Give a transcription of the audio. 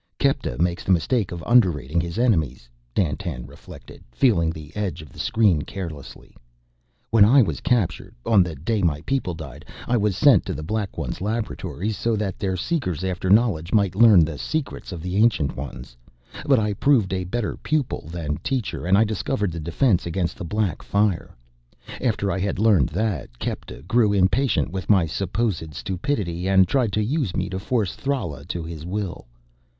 "Kepta makes the mistake of under rating his enemies," Dandtan reflected, feeling the edge of the screen caressingly. "When I was captured, on the day my people died, I was sent to the Black Ones' laboratories so that their seekers after knowledge might learn the secrets of the Ancient Ones. But I proved a better pupil than teacher and I discovered the defense against the Black Fire. After I had learned that, Kepta grew impatient with my supposed stupidity and tried to use me to force Thrala to his will.